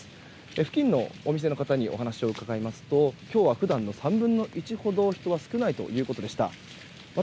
付近のお店の方にお話を伺いますと今日は普段の３分の１ほど人が少ないということでした。